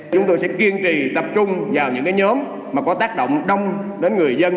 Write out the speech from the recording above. chúng tôi sẽ kiên trì tập trung vào những nhóm có tác động đông đến người dân